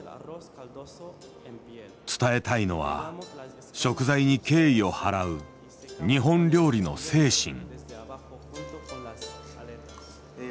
伝えたいのは食材に敬意を払う日本料理の精神。